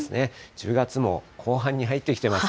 １０月も後半に入ってきてます。